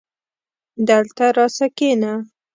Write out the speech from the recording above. دلته راسه کينه